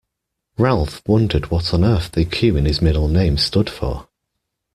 Ralph wondered what on earth the Q in his middle name stood for.